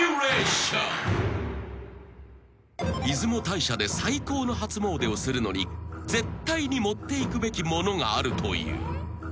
［出雲大社で最高の初詣をするのに絶対に持っていくべきものがあるという］